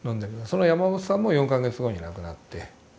その山本さんも４か月後に亡くなって。